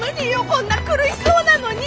こんな苦しそうなのに。